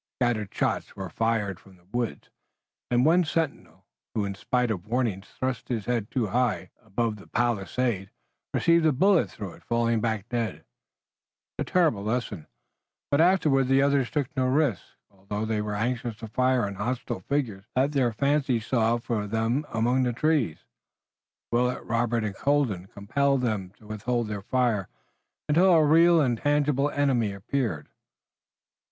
Scattered shots were fired from the woods, and one sentinel who in spite of warnings thrust his head too high above the palisade, received a bullet through it falling back dead. It was a terrible lesson, but afterwards the others took no risks, although they were anxious to fire on hostile figures that their fancy saw for them among the trees. Willet, Robert and Colden compelled them to withhold their fire until a real and tangible enemy appeared.